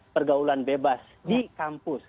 pergaulan bebas di kampus